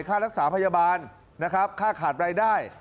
ค่ารักษาพยาบาลค่าขาดรายได้